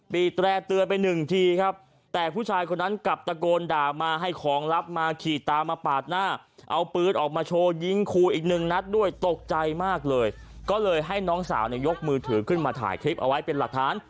ปีแตร่เตือนไปหนึ่งทีครับแต่ผู้ชายคนนั้นกลับตะโกนด่ามาให้ของลับมาขี่ตามาปาดหน้า